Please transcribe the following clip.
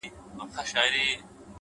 وخت د فرصتونو خاموشه خزانه ده,